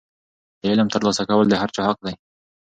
د علم ترلاسه کول د هر چا حق دی.